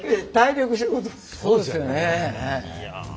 そうですよね。